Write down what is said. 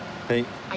はい。